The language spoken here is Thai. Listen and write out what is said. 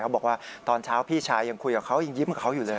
บอกว่าตอนเช้าพี่ชายยังคุยกับเขายังยิ้มกับเขาอยู่เลย